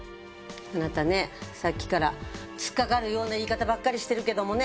あなたねさっきから突っかかるような言い方ばっかりしてるけどもね